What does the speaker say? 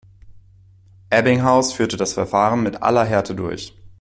Ebbinghaus führte das Verfahren mit aller Härte durch.